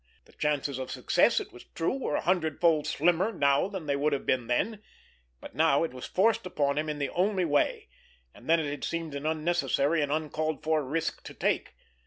The chances of success, it was true, were a hundredfold slimmer now than they would have been then; but now it was forced upon him as the only way, and then it had seemed an unnecessary and uncalled for risk to take.